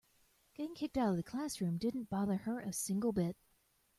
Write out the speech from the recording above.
Getting kicked out of the classroom didn't bother her a single bit.